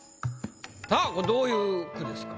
さぁこれどういう句ですか？